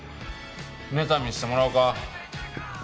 ネタ見してもらおうか。